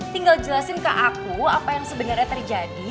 tinggal jelasin ke aku apa yang sebenarnya terjadi